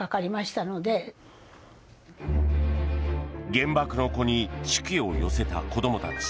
「原爆の子」に手記を寄せた子供たち